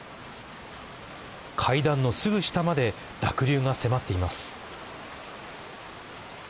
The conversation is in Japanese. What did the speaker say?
階段のすぐ下まで濁流が迫っています。